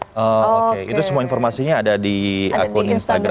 oke itu semua informasinya ada di akun instagram